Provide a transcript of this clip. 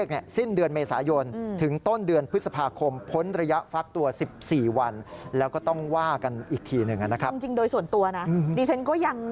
แบบเต็มรูปแบบหรือยัง